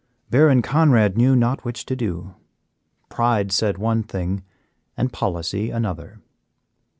Baron Conrad knew not which to do; pride said one thing and policy another.